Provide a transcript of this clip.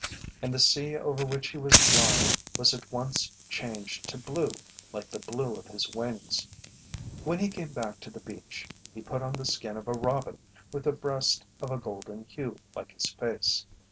And the sea over which he was flying was at once changed to blue like the blue of his wings. When he came back to the beach, he put on the skin of a robin with the breast of a golden hue like his face.